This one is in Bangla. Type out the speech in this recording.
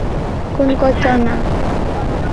তার বিমানকে নামায় পাকিস্তান।